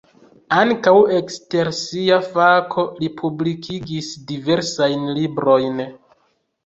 Ankaŭ ekster sia fako li publikigis diversajn librojn.